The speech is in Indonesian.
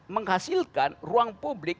menghasilkan ruang publik